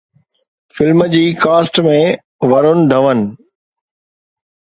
film جي cast ۾ Varun ڌون